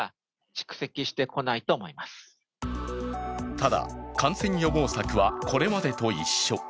ただ、感染予防策はこれまでと一緒。